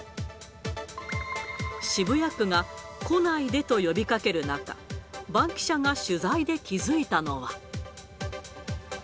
渋谷区が来ないでと呼びかける中、バンキシャが取材で気付いたのは。